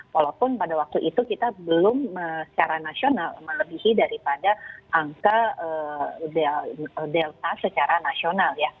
walaupun pada waktu itu kita belum secara nasional melebihi daripada angka delta secara nasional ya